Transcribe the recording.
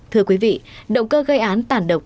thưa quý vị động cơ gây án tàn độc